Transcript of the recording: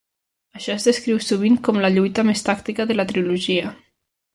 Això es descriu sovint com la lluita més tàctica de la trilogia.